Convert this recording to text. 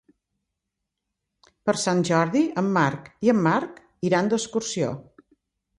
Per Sant Jordi en Marc i en Marc iran d'excursió.